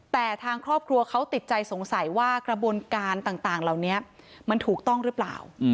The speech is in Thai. แต่ทางครอบครัวเขาติดใจสงสัยว่ากระบวนการต่างเหล่านี้มันถูกต้องหรือเปล่า